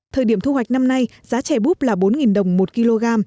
thời điểm thu hoạch năm nay giá trè búp là bốn đồng một kg